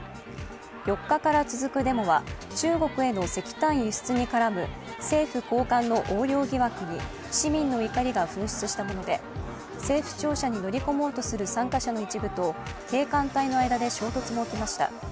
４日から続くデモは中国への石炭輸出を巡る政府高官の横領疑惑に市民の怒りが噴出したもので政府庁舎に乗り込もうとした参加者の一部と警官隊の間で衝突も起きました。